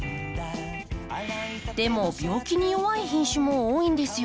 でも病気に弱い品種も多いんですよね。